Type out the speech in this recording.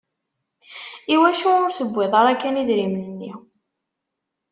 Iwacu ur tewwiḍ ara kan idrimen-nni?